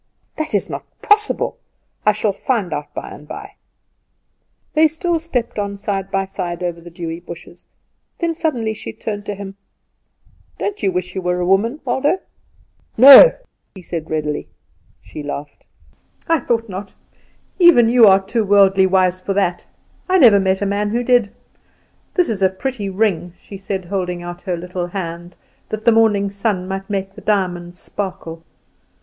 "That is not possible. I shall find out by and by." They still stepped on side by side over the dewy bushes. Then suddenly she turned on him. "Don't you wish you were a woman, Waldo?" "No," he answered readily. She laughed. "I thought not. Even you are too worldly wise for that. I never met a man who did. This is a pretty ring," she said, holding out her little hand, that the morning sun might make the diamonds sparkle.